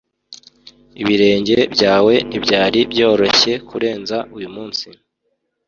ibirenge byawe ntibyari byoroshye kurenza uyumunsi